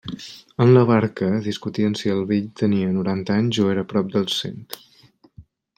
En la barca discutien si el vell tenia noranta anys o era prop dels cent.